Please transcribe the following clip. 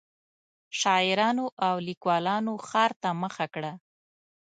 شاعرانو او لیکوالانو ښار ته مخه کړه.